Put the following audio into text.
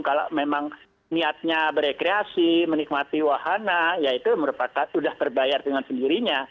kalau memang niatnya berekreasi menikmati wahana ya itu merupakan sudah terbayar dengan sendirinya